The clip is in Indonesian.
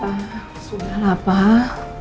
pak sudah lah pak